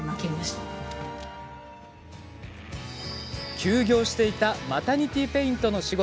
休業していたマタニティーペイントの仕事。